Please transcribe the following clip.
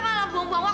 bukan siapa yang bijak